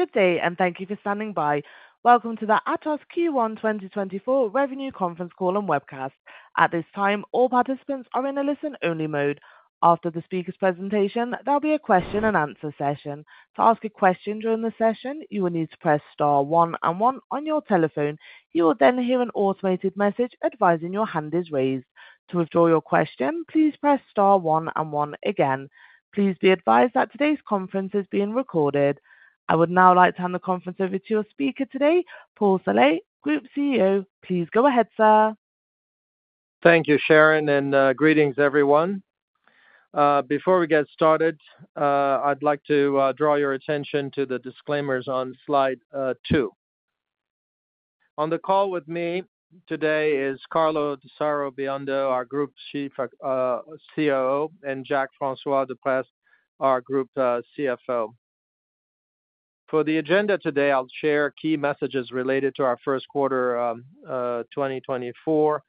Good day, and thank you for standing by. Welcome to the Atos Q1 2024 Revenue Conference Call and Webcast. At this time, all participants are in a listen-only mode. After the speaker's presentation, there'll be a question-and-answer session. To ask a question during the session, you will need to press star one and one on your telephone. You will then hear an automated message advising your hand is raised. To withdraw your question, please press star one and one again. Please be advised that today's conference is being recorded. I would now like to hand the conference over to your speaker today, Paul Saleh, Group CEO. Please go ahead, sir. Thank you, Sharon, and greetings, everyone. Before we get started, I'd like to draw your attention to the disclaimers on slide two. On the call with me today is Carlo d'Asaro Biondo, our Group COO, and Jacques-François de Prest, our Group CFO. For the agenda today, I'll share key messages related to our first quarter 2024,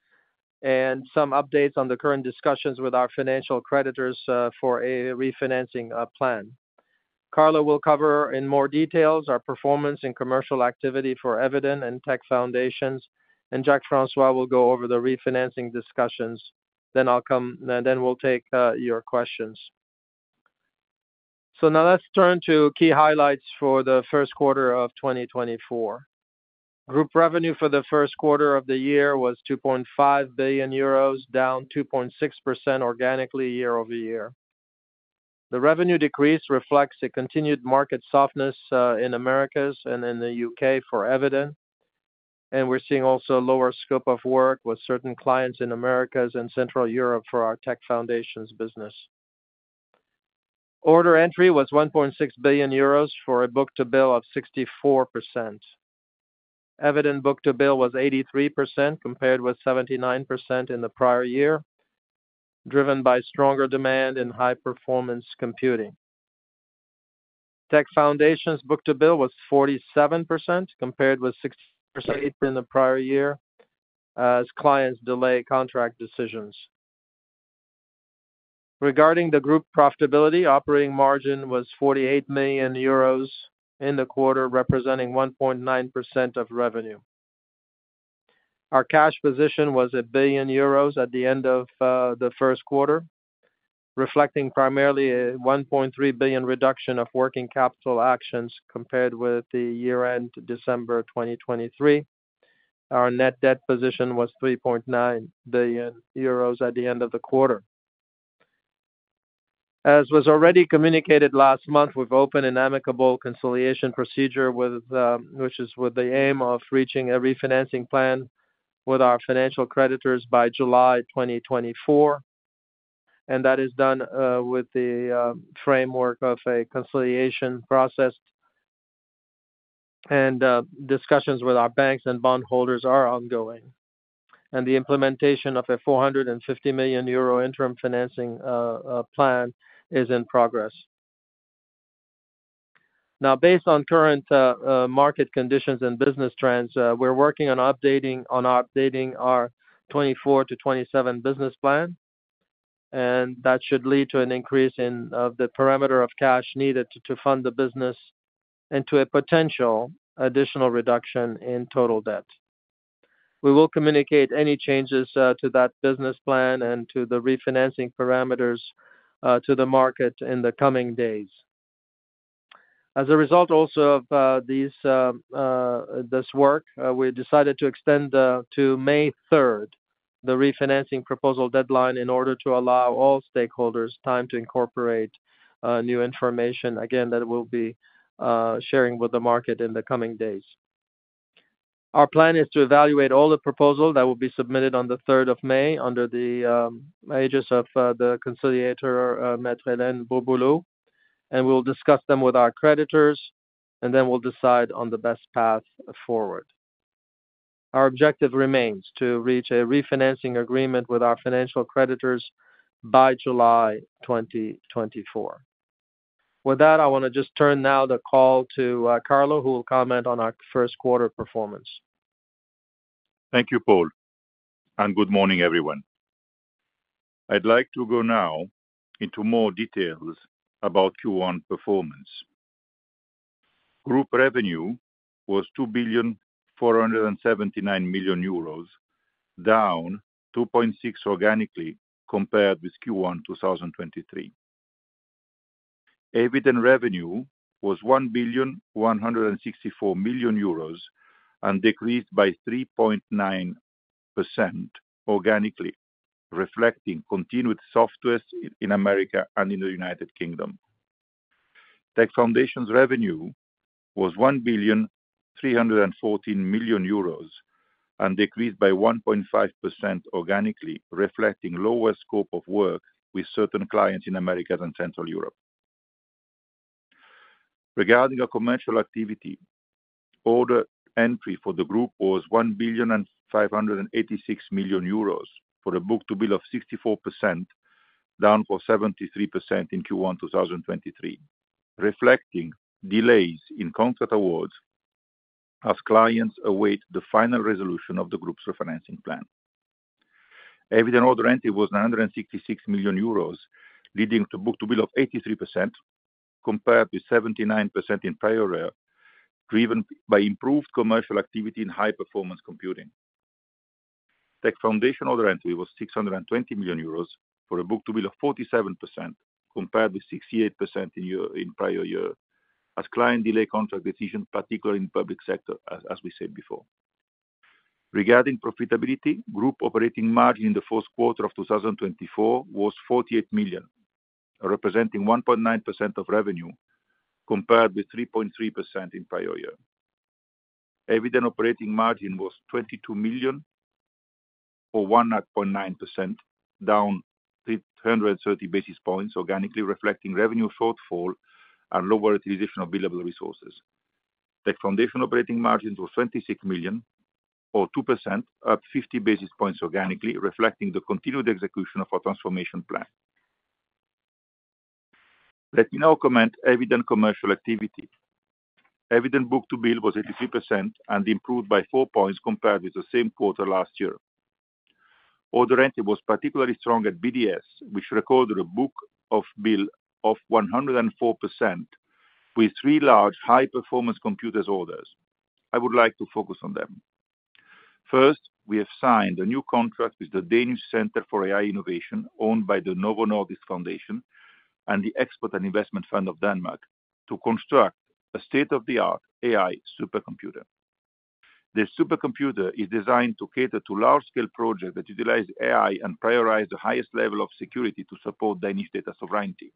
and some updates on the current discussions with our financial creditors for a refinancing plan. Carlo will cover in more details our performance and commercial activity for Eviden and Tech Foundations, and Jacques-François will go over the refinancing discussions. Then we'll take your questions. So now let's turn to key highlights for the first quarter of 2024. Group revenue for the first quarter of the year was 2.5 billion euros, down 2.6% organically year-over-year. The revenue decrease reflects a continued market softness in Americas and in the U.K. for Eviden, and we're seeing also lower scope of work with certain clients in Americas and Central Europe for our Tech Foundations business. Order entry was 1.6 billion euros for a book-to-bill of 64%. Eviden book-to-bill was 83%, compared with 79% in the prior year, driven by stronger demand in high-performance computing. Tech Foundations book-to-bill was 47%, compared with 60% in the prior year, as clients delay contract decisions. Regarding the group profitability, operating margin was 48 million euros in the quarter, representing 1.9% of revenue. Our cash position was 1 billion euros at the end of the first quarter, reflecting primarily a 1.3 billion reduction of working capital actions compared with the year-end December 2023. Our net debt position was 3.9 billion euros at the end of the quarter. As was already communicated last month, we've opened an amicable conciliation procedure with which is with the aim of reaching a refinancing plan with our financial creditors by July 2024, and that is done with the framework of a conciliation process. Discussions with our banks and bondholders are ongoing, and the implementation of a 450 million euro interim financing plan is in progress. Now, based on current market conditions and business trends, we're working on updating our 2024-2027 business plan, and that should lead to an increase in the parameter of cash needed to fund the business and to a potential additional reduction in total debt. We will communicate any changes to that business plan and to the refinancing parameters to the market in the coming days. As a result also of this work, we decided to extend to May third the refinancing proposal deadline, in order to allow all stakeholders time to incorporate new information, again, that we'll be sharing with the market in the coming days. Our plan is to evaluate all the proposals that will be submitted on the 3rd of May under the aegis of the conciliator, Maître Hélène Bourbouloux, and we'll discuss them with our creditors, and then we'll decide on the best path forward. Our objective remains to reach a refinancing agreement with our financial creditors by July 2024. With that, I wanna just turn now the call to Carlo, who will comment on our first quarter performance. Thank you, Paul, and good morning, everyone. I'd like to go now into more details about Q1 performance. Group revenue was 2,479 million euros, down 2.6% organically, compared with Q1 2023. Eviden revenue was 1,164 million euros and decreased by 3.9% organically, reflecting continued softness in Americas and in the United Kingdom. Tech Foundations revenue was 1,314 million euros and decreased by 1.5% organically, reflecting lower scope of work with certain clients in Americas and Central Europe. Regarding our commercial activity, order entry for the group was 1,586 million euros, for a book-to-bill of 64%, down from 73% in Q1 2023, reflecting delays in contract awards as clients await the final resolution of the group's refinancing plan. Eviden order entry was 966 million euros, leading to book-to-bill of 83%, compared to 79% in prior year, driven by improved commercial activity in high-performance computing. Tech Foundations order entry was 620 million euros for a book-to-bill of 47%, compared to 68% in prior year, as client delay contract decision, particularly in public sector, as we said before. Regarding profitability, group operating margin in the first quarter of 2024 was 48 million, representing 1.9% of revenue, compared with 3.3% in prior year. Eviden operating margin was 22 million, or 1.9%, down 330 basis points, organically reflecting revenue shortfall and lower utilization of billable resources. Tech Foundations operating margin was 26 million or 2%, up 50 basis points organically, reflecting the continued execution of our transformation plan. Let me now comment, Eviden commercial activity. Eviden book-to-bill was 83% and improved by 4 points compared with the same quarter last year. Order entry was particularly strong at BDS, which recorded a book-to-bill of 104% with three large high performance computers orders. I would like to focus on them. First, we have signed a new contract with the Danish Centre for AI Innovation, owned by the Novo Nordisk Foundation and the Export and Investment Fund of Denmark, to construct a state-of-the-art AI supercomputer. This supercomputer is designed to cater to large-scale projects that utilize AI and prioritize the highest level of security to support Danish data sovereignty.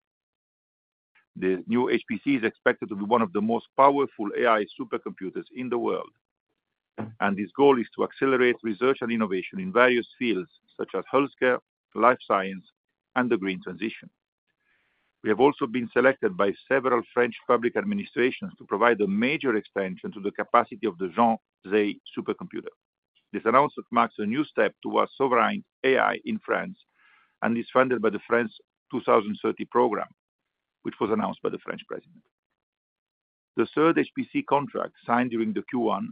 The new HPC is expected to be one of the most powerful AI supercomputers in the world, and its goal is to accelerate research and innovation in various fields such as healthcare, life science, and the green transition. We have also been selected by several French public administrations to provide a major expansion to the capacity of the Jean Zay supercomputer. This announcement marks a new step towards sovereign AI in France, and is funded by the France 2030 program, which was announced by the French president. The third HPC contract, signed during the Q1,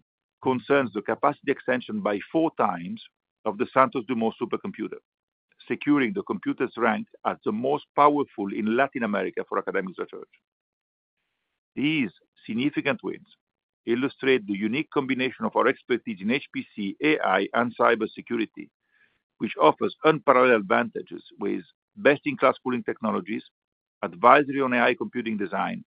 concerns the capacity extension by four times of the Santos Dumont Supercomputer, securing the computer's rank as the most powerful in Latin America for academic research. These significant wins illustrate the unique combination of our expertise in HPC, AI, and cybersecurity, which offers unparalleled advantages with best-in-class cooling technologies, advisory on AI computing design,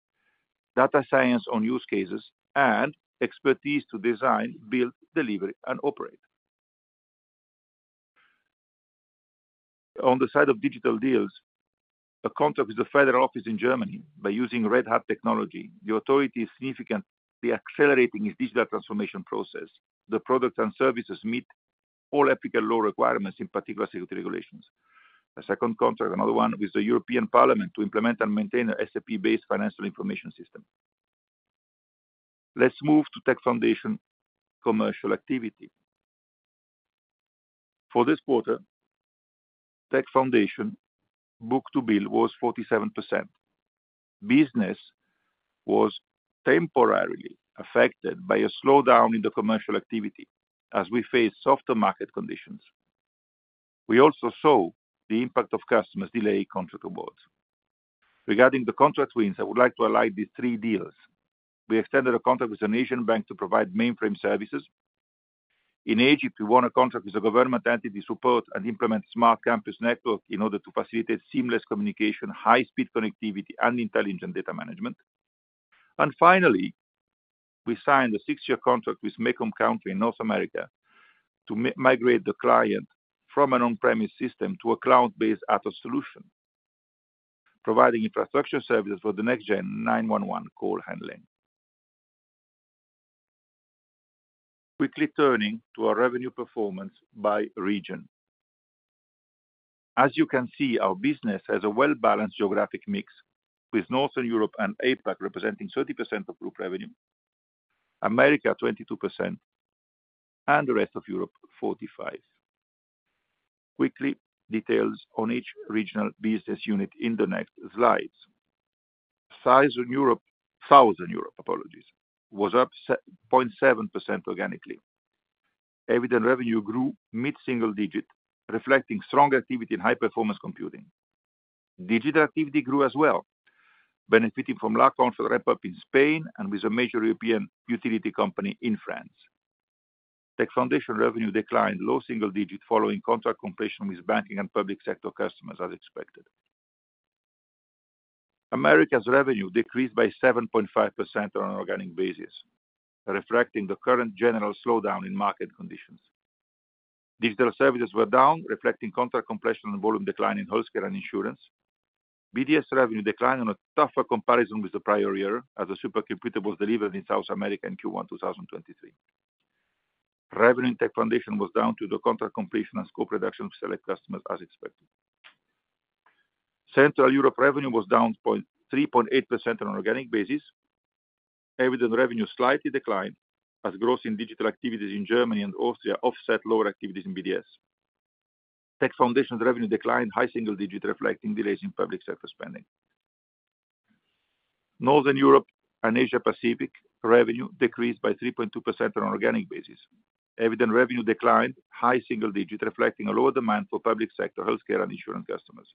data science on use cases, and expertise to design, build, deliver, and operate. On the side of digital deals, a contract with the federal office in Germany by using Red Hat technology, the authority is significantly accelerating its digital transformation process. The products and services meet all ethical law requirements, in particular, security regulations. A second contract, another one with the European Parliament, to implement and maintain an SAP-based financial information system. Let's move to Tech Foundations commercial activity. For this quarter, Tech Foundations book-to-bill was 47%. Business was temporarily affected by a slowdown in the commercial activity as we face softer market conditions. We also saw the impact of customers delay contract awards. Regarding the contract wins, I would like to highlight these three deals. We extended a contract with an Asian bank to provide mainframe services. In Egypt, we won a contract with the government entity to support and implement smart campus network in order to facilitate seamless communication, high-speed connectivity, and intelligent data management. And finally, we signed a six-year contract with Macomb County in North America to migrate the client from an on-premise system to a cloud-based Atos solution, providing infrastructure services for the next-gen 911 call handling. Quickly turning to our revenue performance by region. As you can see, our business has a well-balanced geographic mix, with Northern Europe and APAC representing 30% of group revenue, America, 22%, and the rest of Europe, 45%. Quickly, details on each regional business unit in the next slides. Sales in Europe, Southern Europe, apologies, was up 0.7% organically. Eviden revenue grew mid-single digit, reflecting strong activity in high-performance computing. Digital activity grew as well, benefiting from large contract ramp-up in Spain and with a major European utility company in France. Tech Foundations revenue declined low single-digit, following contract completion with banking and public sector customers, as expected. Americas' revenue decreased by 7.5% on an organic basis, reflecting the current general slowdown in market conditions. Digital services were down, reflecting contract completion and volume decline in healthcare and insurance. BDS revenue declined on a tougher comparison with the prior year, as the supercomputer was delivered in South America in Q1 2023. Revenue in Tech Foundations was down due to the contract completion and scope reduction of select customers, as expected. Central Europe revenue was down 3.8% on an organic basis. Eviden revenue slightly declined, as growth in digital activities in Germany and Austria offset lower activities in BDS. Tech Foundations' revenue declined high single digit, reflecting delays in public sector spending. Northern Europe and Asia Pacific revenue decreased by 3.2% on an organic basis. Eviden revenue declined high single digit, reflecting a lower demand for public sector, healthcare, and insurance customers.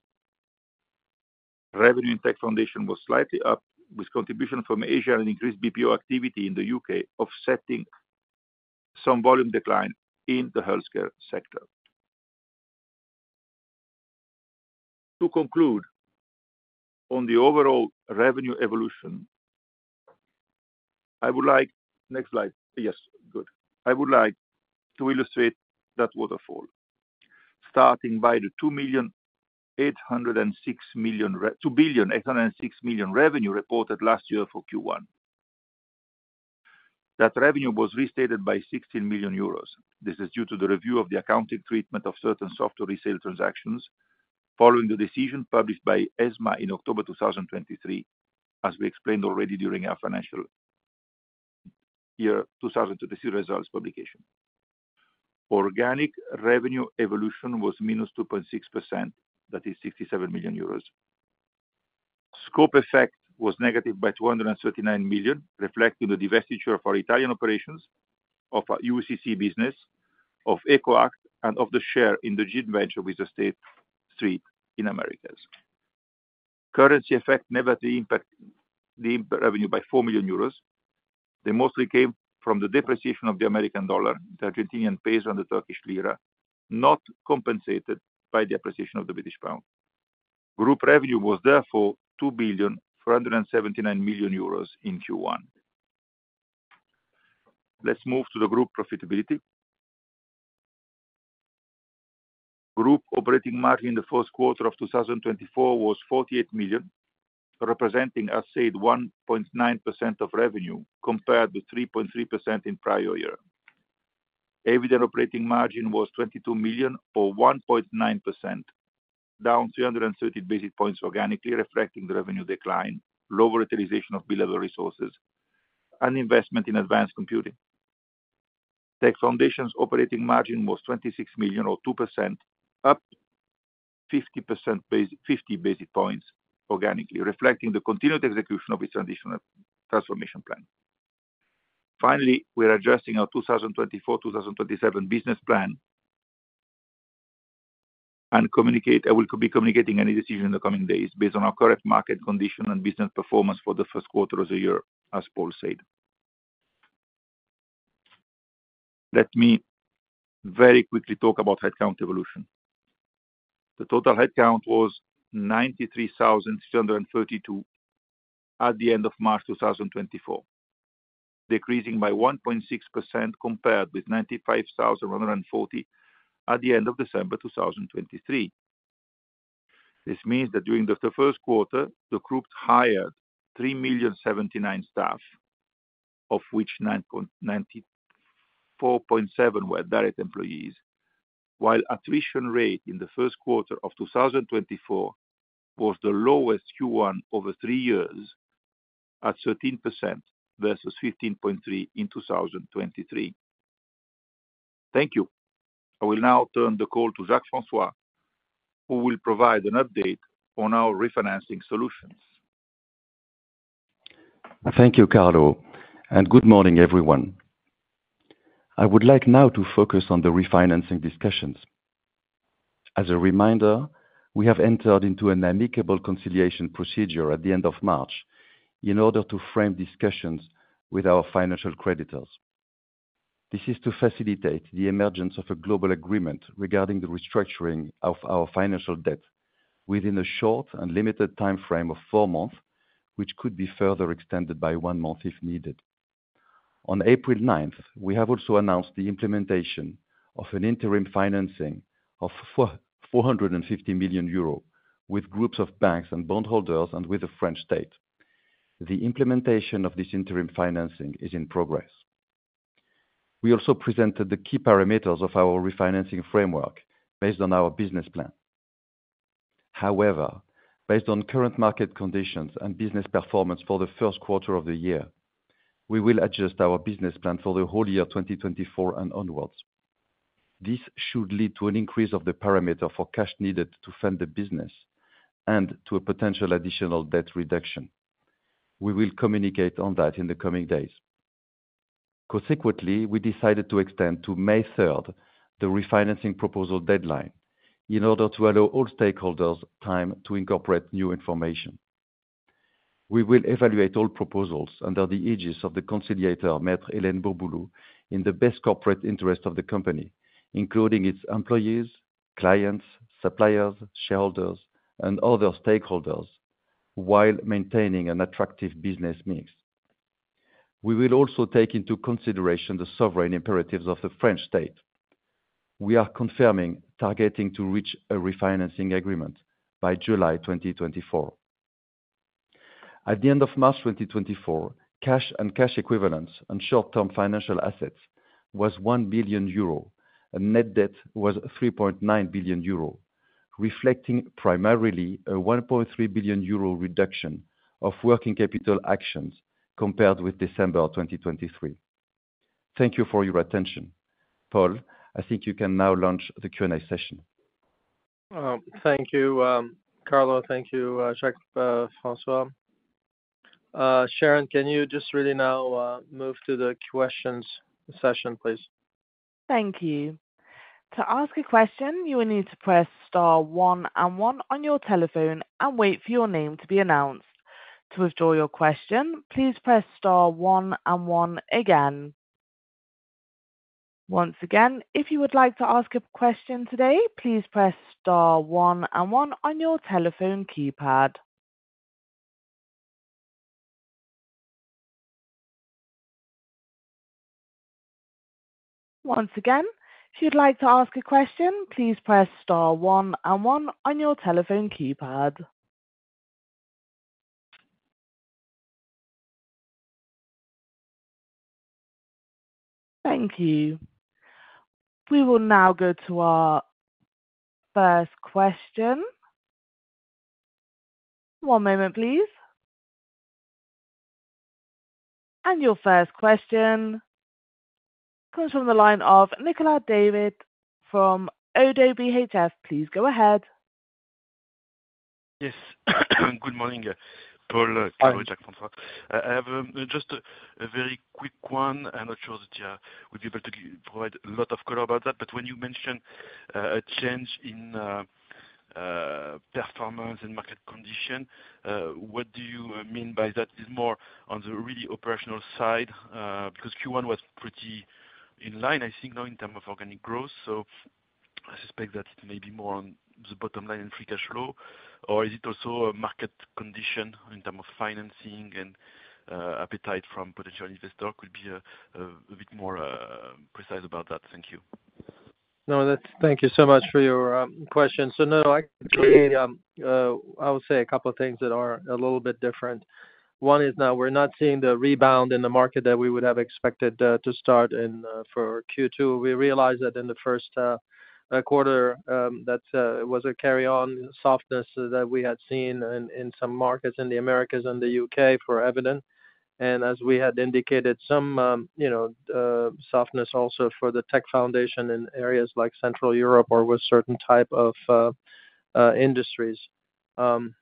Revenue in Tech Foundations was slightly up, with contribution from Asia and increased BPO activity in the U.K., offsetting some volume decline in the healthcare sector. To conclude, on the overall revenue evolution, I would like— next slide. Yes, good. I would like to illustrate that waterfall, starting by the 2,806 million revenue reported last year for Q1. That revenue was restated by 16 million euros. This is due to the review of the accounting treatment of certain software resale transactions, following the decision published by ESMA in October 2023, as we explained already during our financial year 2023 results publication. Organic revenue evolution was -2.6%. That is 67 million euros. Scope effect was negative by 239 million, reflecting the divestiture of our Italian operations, of our UCC business, of EcoAct, and of the share in the joint venture with the State Street in Americas. Currency effect negatively impact the revenue by 4 million euros. They mostly came from the depreciation of the American dollar, the Argentinian pesos, and the Turkish lira, not compensated by the appreciation of the British pound. Group revenue was therefore 2,479 million euros in Q1. Let's move to the group profitability. Group operating margin in the first quarter of 2024 was 48 million, representing, as said, 1.9% of revenue, compared to 3.3% in prior year. Eviden operating margin was 22 million, or 1.9%, down 330 basis points organically, reflecting the revenue decline, lower utilization of billable resources, and investment in advanced computing. Tech Foundations operating margin was 26 million, or 2%, up 50 basis points organically, reflecting the continued execution of its additional transformation plan. Finally, we're adjusting our 2024-2027 business plan. And communicate, I will be communicating any decision in the coming days based on our current market condition and business performance for the first quarter of the year, as Paul said. Let me very quickly talk about headcount evolution. The total headcount was 93,332 at the end of March 2024, decreasing by 1.6% compared with 95,140 at the end of December 2023. This means that during the first quarter, the group hired 3,079 staff, of which 94.7% were direct employees, while attrition rate in the first quarter of 2024 was the lowest Q1 over three years, at 13% versus 15.3 in 2023. Thank you. I will now turn the call to Jacques-François, who will provide an update on our refinancing solutions. Thank you, Carlo, and good morning, everyone. I would like now to focus on the refinancing discussions. As a reminder, we have entered into an amicable conciliation procedure at the end of March in order to frame discussions with our financial creditors. This is to facilitate the emergence of a global agreement regarding the restructuring of our financial debt within a short and limited timeframe of four months, which could be further extended by one month if needed. On April ninth, we have also announced the implementation of an interim financing of 450 million euros with groups of banks and bondholders and with the French state. The implementation of this interim financing is in progress. We also presented the key parameters of our refinancing framework based on our business plan. However, based on current market conditions and business performance for the first quarter of the year, we will adjust our business plan for the whole year 2024 and onwards. This should lead to an increase of the parameter for cash needed to fund the business and to a potential additional debt reduction. We will communicate on that in the coming days. Consequently, we decided to extend to May 3, the refinancing proposal deadline, in order to allow all stakeholders time to incorporate new information. We will evaluate all proposals under the aegis of the conciliator, Maître Hélène Bourbouloux, in the best corporate interest of the company, including its employees, clients, suppliers, shareholders, and other stakeholders, while maintaining an attractive business mix. We will also take into consideration the sovereign imperatives of the French state. We are confirming targeting to reach a refinancing agreement by July 2024. At the end of March 2024, cash and cash equivalents and short-term financial assets was 1 billion euro, and net debt was 3.9 billion euro, reflecting primarily a 1.3 billion euro reduction of working capital actions compared with December 2023. Thank you for your attention. Paul, I think you can now launch the Q&A session. Thank you, Carlo. Thank you, Jacques-François. Sharon, can you just really now move to the questions session, please? Thank you. To ask a question, you will need to press star one and one on your telephone and wait for your name to be announced. To withdraw your question, please press star one and one again. Once again, if you would like to ask a question today, please press star one and one on your telephone keypad. Once again, if you'd like to ask a question, please press star one and one on your telephone keypad. Thank you. We will now go to our first question. One moment, please. Your first question comes from the line of Nicolas David from Oddo BHF. Please go ahead. Yes. Good morning, Paul— Hi. I have just a very quick one. I'm not sure that you would be able to provide a lot of color about that. But when you mention a change in performance and market condition, what do you mean by that? Is more on the really operational side, because Q1 was pretty in line, I think, now in terms of organic growth. So I suspect that it may be more on the bottom line in free cash flow. Or is it also a market condition in terms of financing and appetite from potential investor? Could be a bit more precise about that. Thank you. No, that's—thank you so much for your question. So, no, I would say a couple of things that are a little bit different. One is that we're not seeing the rebound in the market that we would have expected to start in for Q2. We realized that in the first quarter that it was a carryover softness that we had seen in some markets in the Americas and the U.K. for Eviden. And as we had indicated, some, you know, softness also for the Tech Foundations in areas like Central Europe or with certain type of industries or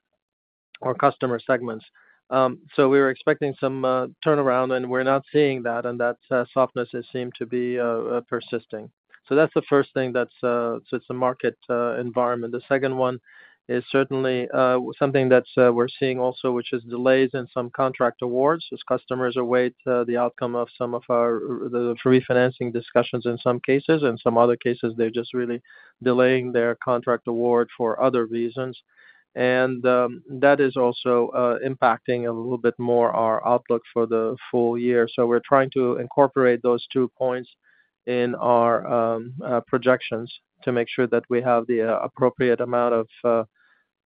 customer segments. So we were expecting some turnaround, and we're not seeing that. And that softness is seem to be persisting. So that's the first thing that's, so it's a market environment. The second one is certainly, something that we're seeing also, which is delays in some contract awards as customers await, the outcome of some of our, the refinancing discussions in some cases. And some other cases, they're just really delaying their contract award for other reasons. And, that is also, impacting a little bit more our outlook for the full year. So we're trying to incorporate those two points in our, projections to make sure that we have the, appropriate amount of,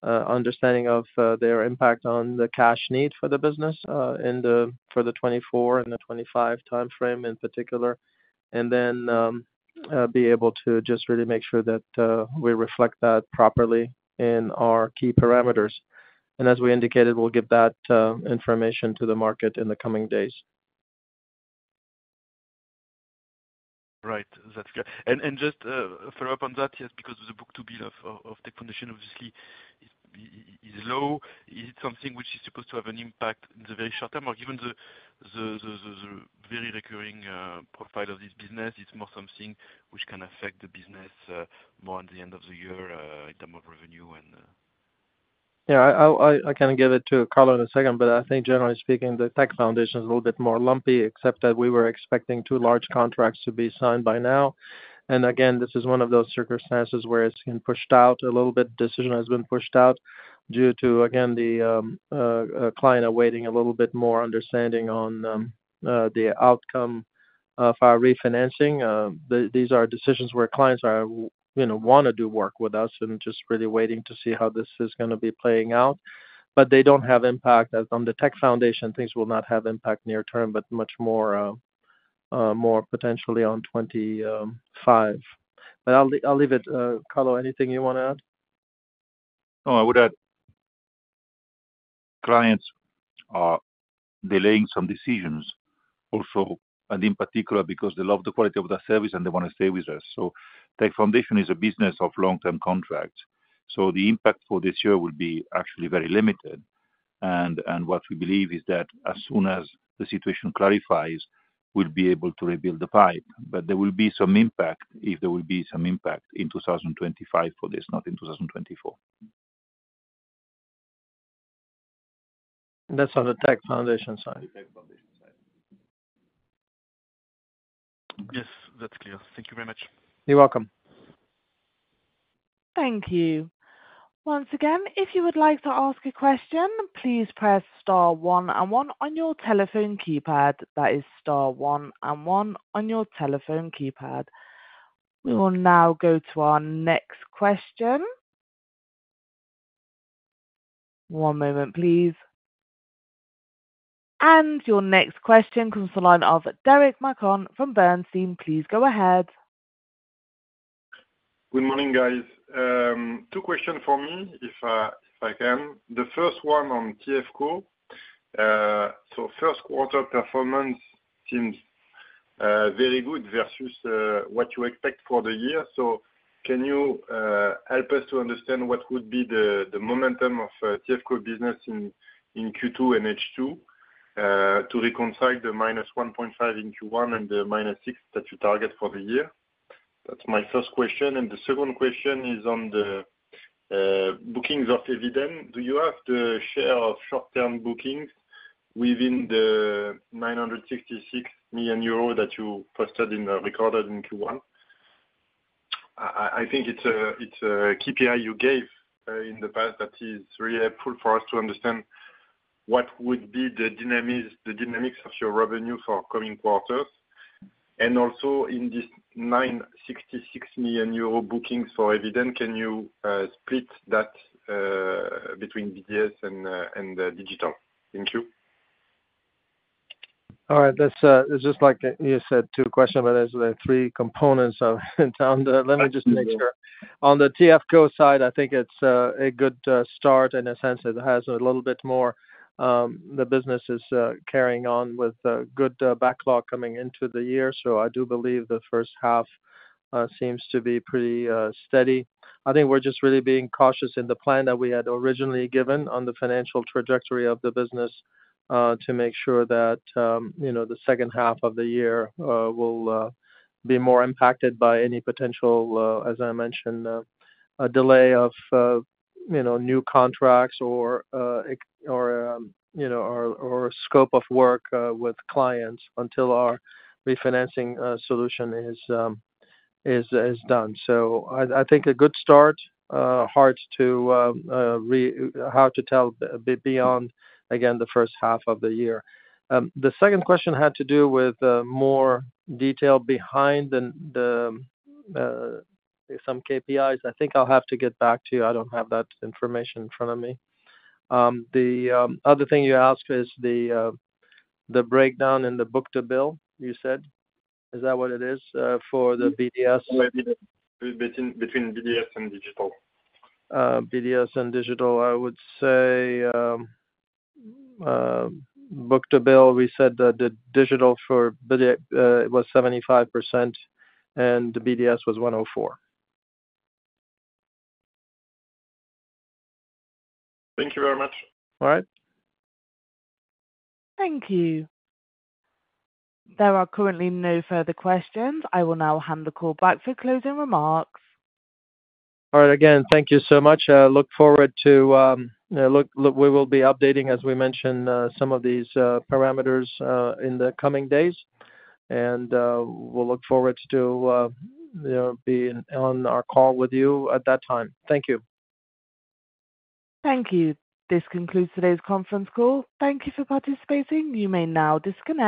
understanding of, their impact on the cash need for the business, in the—for the 2024 and the 2025 timeframe in particular. And then, be able to just really make sure that, we reflect that properly in our key parameters. As we indicated, we'll give that information to the market in the coming days. Right. That's clear. And just follow up on that, yes, because of the book-to-bill of the foundation obviously is low. Is it something which is supposed to have an impact in the very short term, or given the very recurring profile of this business, it's more something which can affect the business more at the end of the year in terms of revenue and? Yeah, I can give it to Carlo in a second, but I think generally speaking, the Tech Foundation is a little bit more lumpy, except that we were expecting two large contracts to be signed by now. And again, this is one of those circumstances where it's been pushed out a little bit. Decision has been pushed out due to, again, the client awaiting a little bit more understanding on the outcome of our refinancing. These are decisions where clients are, you know, wanna do work with us and just really waiting to see how this is gonna be playing out. But they don't have impact as on the Tech Foundation, things will not have impact near term, but much more more potentially on 2025. But I'll leave it. Carlo, anything you want to add? No, I would add, clients are delaying some decisions also, and in particular because they love the quality of the service and they want to stay with us. So Tech Foundations is a business of long-term contracts, so the impact for this year will be actually very limited. And what we believe is that as soon as the situation clarifies, we'll be able to rebuild the pipe. But there will be some impact, if there will be some impact, in 2025 for this, not in 2024. That's on the Tech Foundations side. The Tech Foundations side. Yes, that's clear. Thank you very much. You're welcome. Thank you. Once again, if you would like to ask a question, please press star one and one on your telephone keypad. That is star one and one on your telephone keypad. We will now go to our next question. One moment, please. And your next question comes from the line of Derric Marcon from Bernstein. Please go ahead. Good morning, guys. Two questions for me, if, if I can. The first one on TFCO. So first quarter performance seems very good versus what you expect for the year. So can you help us to understand what would be the, the momentum of TFCO business in Q2 and H2 to reconcile the -1.5 in Q1 and the -6 that you target for the year? That's my first question, and the second question is on the bookings of Eviden. Do you have the share of short-term bookings within the 966 million euro that you posted in, recorded in Q1? I think it's a KPI you gave in the past that is really helpful for us to understand what would be the dynamics, the dynamics of your revenue for coming quarters. And also in this 966 million euro bookings for Eviden, can you split that between BDS and digital? Thank you. All right. That's it. It's just like you said, two questions, but there are three components. Let me just make sure. On the TFCO side, I think it's a good start. In a sense, it has a little bit more. The business is carrying on with good backlog coming into the year. So I do believe the first half seems to be pretty steady. I think we're just really being cautious in the plan that we had originally given on the financial trajectory of the business, to make sure that, you know, the second half of the year will be more impacted by any potential, as I mentioned, a delay of, you know, new contracts or scope of work with clients until our refinancing solution is done. So I think a good start, hard to tell beyond, again, the first half of the year. The second question had to do with more detail behind the some KPIs. I think I'll have to get back to you. I don't have that information in front of me. The other thing you asked is the breakdown in the book-to-bill, you said? Is that what it is for the BDS? Between BDS and digital. BDS and digital, I would say, book-to-bill, we said that the digital for BDS was 75%, and the BDS was 104. Thank you very much. All right. Thank you. There are currently no further questions. I will now hand the call back for closing remarks. All right, again, thank you so much. Look forward to, you know, we will be updating, as we mentioned, some of these parameters in the coming days. We'll look forward to, you know, being on our call with you at that time. Thank you. Thank you. This concludes today's conference call. Thank you for participating. You may now disconnect.